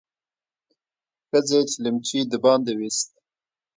ښځې چلمچي د باندې ويست.